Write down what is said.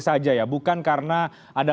saja ya bukan karena ada